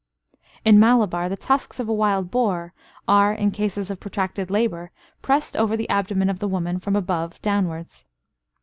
In Malabar the tusks of a wild boar are, in cases of protracted labour, pressed over the abdomen of the woman from above downwards.